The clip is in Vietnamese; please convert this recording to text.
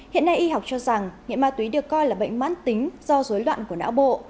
hiện nay y học cho rằng nghiện ma túy được coi là bệnh mãn tính do dối loạn của não bộ